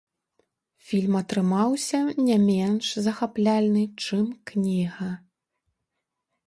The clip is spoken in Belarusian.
Фільм атрымаўся не менш захапляльны, чым кніга.